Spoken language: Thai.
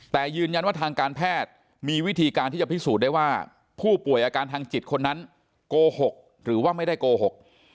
แต่ยืนยันว่าทางการแพทย์มีวิธีการที่จะพิสูจน์ได้ว่าผู้ป่วยอาการทางจิตคนนั้นโกหกหรือว่าไม่ได้โกหก